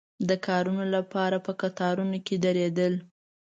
د کارونو لپاره په کتارونو کې درېدل.